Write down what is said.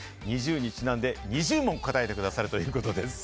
ＮｉｚｉＵにちなんで、２０問、答えて下さるということです。